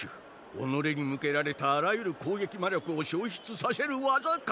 己に向けられたあらゆる攻撃魔力を消失させる技か。